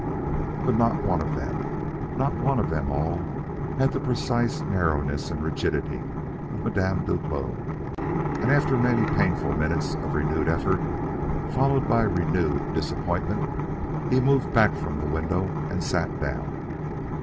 But not one of them not one of them all had the precise narrowness and rigidity of Madame Duclos'; and after many painful minutes of renewed effort followed by renewed disappointment he moved back from the window and sat down.